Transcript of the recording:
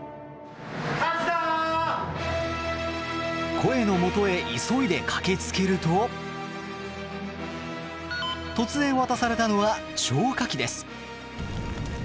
声のもとへ急いで駆けつけると突然渡されたのは消火器です。